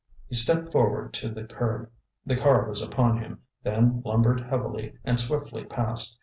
He stepped forward to the curb. The car was upon him, then lumbered heavily and swiftly past.